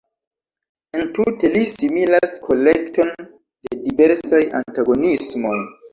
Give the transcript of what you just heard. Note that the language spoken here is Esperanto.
Entute li similas kolekton de diversaj antagonismoj!